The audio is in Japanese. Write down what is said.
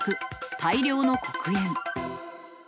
大量の黒煙。